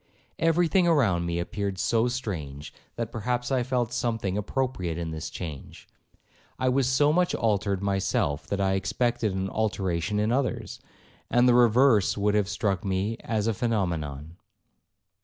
Every thing around appeared so strange, that perhaps I felt something appropriate in this change. I was so much altered myself, that I expected an alteration in others, and the reverse would have struck me as a phenomenon.